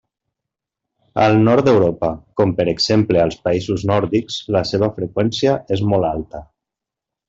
Al nord d'Europa, com per exemple als països nòrdics, la seva freqüència és molt alta.